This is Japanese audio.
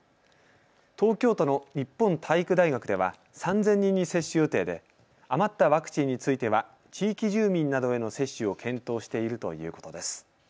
東京都の日本体育大学では３０００人に接種予定で余ったワクチンについては地域住民などへの接種を検討しているということです。